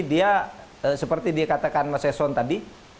dia seperti dikatakan mas eson tadi